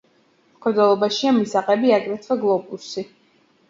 მხედველობაშია მისაღები აგრეთვე გლობუსი.